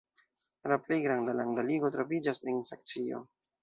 La plej granda landa ligo troviĝas en Saksio.